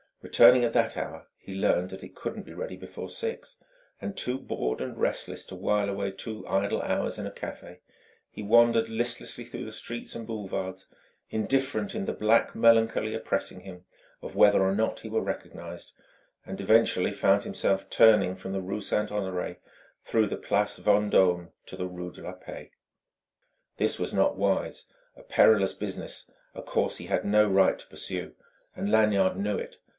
Returning at that hour, he learned that it couldn't be ready before six; and too bored and restless to while away two idle hours in a café, he wandered listlessly through the streets and boulevards indifferent, in the black melancholy oppressing him, whether or not he were recognized and eventually found himself turning from the rue St. Honoré through the place Vendôme to the rue de la Paix. This was not wise, a perilous business, a course he had no right to pursue. And Lanyard knew it.